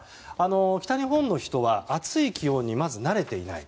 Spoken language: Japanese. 北日本の人は暑い気温にまず慣れていない。